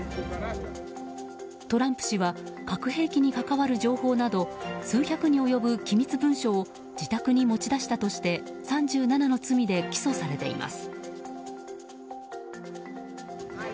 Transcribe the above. トランプ氏は核兵器に関わる情報など数百に及ぶ機密文書を自宅に持ち出したとして３７の罪で起訴されています。